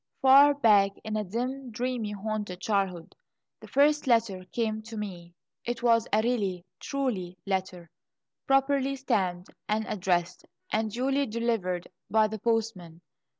Far back, in a dim, dream haunted childhood, the first letter came to me. It was "a really, truly letter," properly stamped and addressed, and duly delivered by the postman.